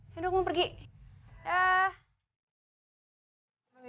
yaudah aku mau pergi